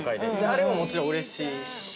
あれももちろんうれしいし。